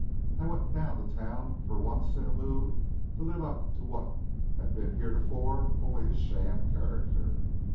I went down to town for once in a mood to live up to what had been heretofore only a sham character.